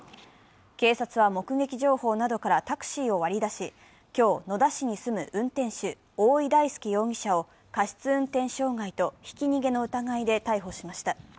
警察は、目撃情報などからタクシーを割り出し、今日、野田市に住む運転手、大井大輔容疑者を過失運転傷害とひき逃げの疑いで逮捕しました。